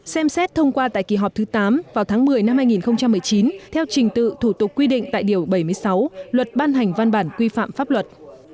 xem xét thông qua tại kỳ họp thứ tám vào tháng một mươi năm hai nghìn một mươi chín theo trình tự thủ tục quy định tại điều bảy mươi sáu luật ban hành văn bản quy phạm pháp luật